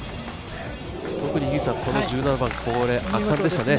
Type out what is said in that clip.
特に１７番、圧巻でしたね。